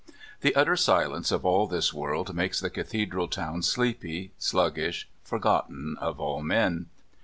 The utter silence of all this world makes the Cathedral town sleepy, sluggish, forgotten of all men.